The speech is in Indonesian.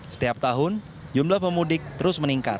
setiap tahun jumlah pemudik terus meningkat